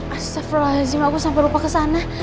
i'm surprised iya aku sampai lupa kesana